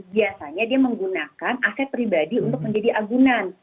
biasanya dia menggunakan aset pribadi untuk menjadi agunan